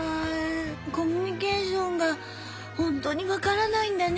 コミュニケーションがほんとに分からないんだね。